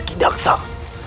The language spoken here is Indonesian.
kita tidak akan